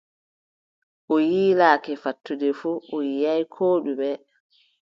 O yiilake fattude fuu, o yiʼaay koo ɗume!